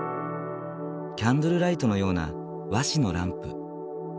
キャンドルライトのような和紙のランプ。